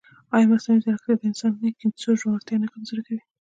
ایا مصنوعي ځیرکتیا د انساني کیسو ژورتیا نه کمزورې کوي؟